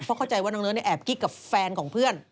เพราะเข้าใจว่าน้องเนิร์แอบกิ๊กกับแฟนของเพื่อน